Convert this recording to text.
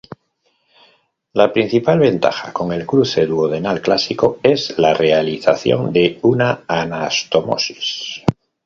La principal ventaja con el cruce duodenal clásico es la realización de una anastomosis.